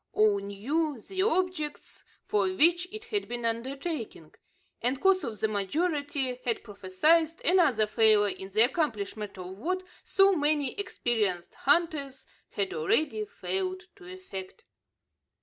All knew the objects for which it had been undertaken; and course the majority had prophesied another failure in the accomplishment of what so many experienced hunters had already failed to effect.